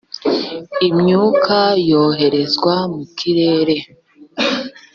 imyuka yoherezwa mu kirere